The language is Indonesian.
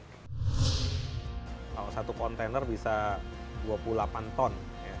kalau satu kontainer bisa dua puluh delapan ton